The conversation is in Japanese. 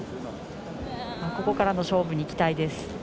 ここからの勝負に期待です。